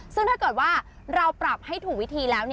ซึ่งถ้าเกิดว่าเราปรับให้ถูกวิธีแล้ว